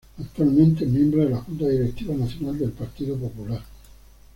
Actualmente es miembro de la Junta Directiva Nacional del Partido Popular.